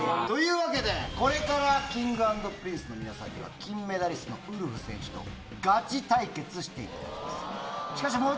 というわけで、これからＫｉｎｇ＆Ｐｒｉｎｃｅの皆さんには、金メダリストのウルフ選手とガチ対決していただきます。